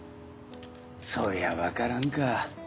そりゃ分からんか。